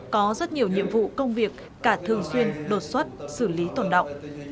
có rất nhiều nhiệm vụ công việc cả thường xuyên đột xuất xử lý tổn động